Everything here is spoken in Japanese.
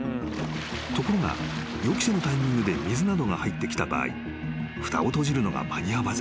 ［ところが予期せぬタイミングで水などが入ってきた場合ふたを閉じるのが間に合わず］